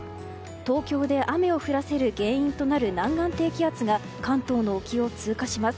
東京で雨を降らせる原因となる南岸低気圧が関東の沖を通過します。